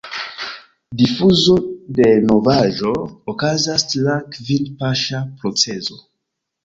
Difuzo de novaĵo okazas tra kvin–paŝa procezo.